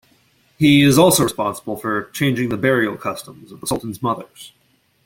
He is also responsible for changing the burial customs of the sultans' mothers.